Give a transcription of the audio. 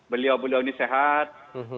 beliau beliau ini sehat